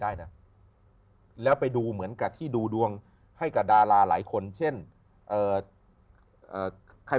ได้นะแล้วไปดูเหมือนกับที่ดูดวงให้กับดาราหลายคนเช่นเอ่อใคร